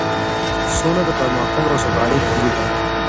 سوله د پرمختګ او سوکالۍ کيلي ده.